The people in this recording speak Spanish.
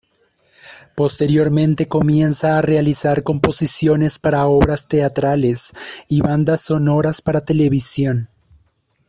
Posteriormente comienza a realizar composiciones para obras teatrales y bandas sonoras para televisión.